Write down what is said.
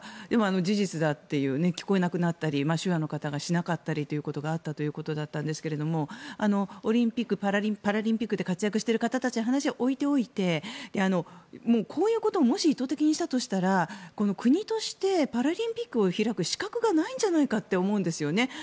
でも、事実だっていう聞こえなくなったり手話の方がしなかったりということがあったということだったんですがオリンピック・パラリンピックで活躍している方たちの話は置いておいてこういうことをもし意図的にしたとしたら国としてパラリンピックを開く資格がないんじゃないかって思うんですよね。